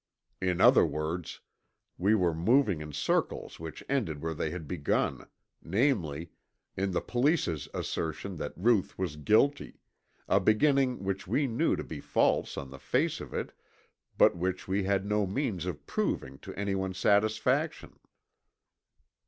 In other words, we were moving in circles which ended where they had begun: namely, in the police's assertion that Ruth was guilty, a beginning which we knew to be false on the face of it, but which we had no means of proving to anyone's satisfaction.